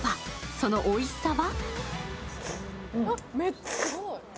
そのおいしさは？